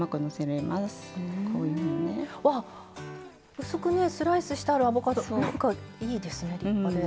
わあ薄くねスライスしたらアボカドなんかいいですね立派で。